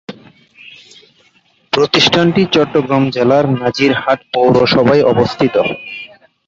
প্রতিষ্ঠানটি চট্টগ্রাম জেলার নাজিরহাট পৌরসভায় অবস্থিত।